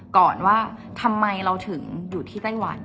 ก่อนว่าทำไมเราถึงอยู่ที่ไต้หวัน